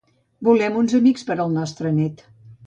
Volem uns amics per al nostre net.